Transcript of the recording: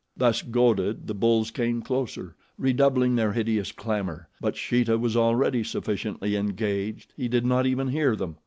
Thus goaded the bulls came closer, redoubling their hideous clamor; but Sheeta was already sufficiently engaged he did not even hear them.